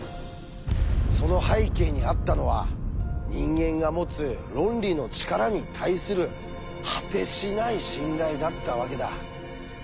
その背景にあったのは人間が持つ論理の力に対する果てしない信頼だったわけだ。